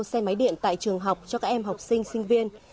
xe máy điện tại trường học cho các em học sinh sinh viên